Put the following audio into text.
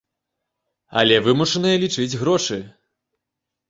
Але вымушаная лічыць грошы.